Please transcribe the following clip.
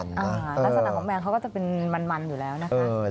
ลักษณะของแมงเขาก็จะเป็นมันอยู่แล้วนะคะ